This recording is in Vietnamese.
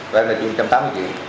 vậy là chung một trăm tám mươi triệu